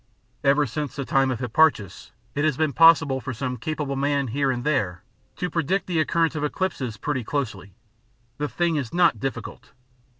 Ever since the time of Hipparchus it had been possible for some capable man here and there to predict the occurrence of eclipses pretty closely. The thing is not difficult.